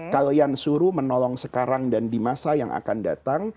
kalau yang suruh menolong sekarang dan di masa yang akan datang